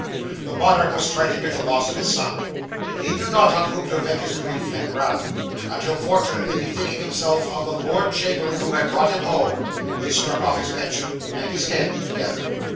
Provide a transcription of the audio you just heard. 'The monarch was frantic at the loss of his son. He knew not on whom to vent his grief and wrath, until fortunately bethinking himself of the lord chamberlain who had brought him home, he struck off his pension and his head together.